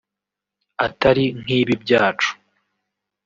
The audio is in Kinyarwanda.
“atari nk’ibi byacu